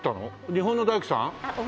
日本の大工さん？